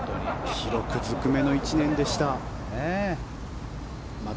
記録ずくめの１年でした。